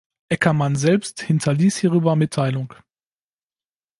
Eckermann selbst hinterließ hierüber Mitteilung.